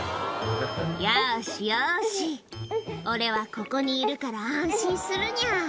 よーし、よーし、俺はここにいるから安心するにゃ。